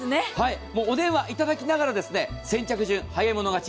お電話いただきながら先着順、早い者勝ち。